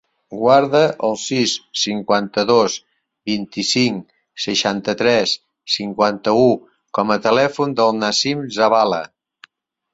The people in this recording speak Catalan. Guarda el sis, cinquanta-dos, vint-i-cinc, seixanta-tres, cinquanta-u com a telèfon del Nassim Zavala.